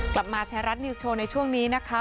กลับมาไทยรัฐนิวส์โชว์ในช่วงนี้นะคะ